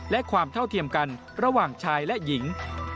และความเท่าเทียมกันระหว่างชายและหญิง